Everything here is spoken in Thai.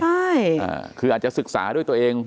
อาจจะศึกษาด้วยตัวเอง